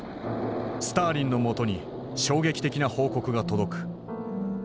スターリンのもとに衝撃的な報告が届く。